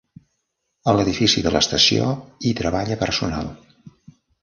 A l'edifici de l'estació hi treballa personal.